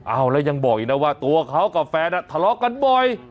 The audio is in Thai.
เอาแล้วยังบอกอีกนะว่าตัวเขากับแฟนทะเลาะกันบ่อย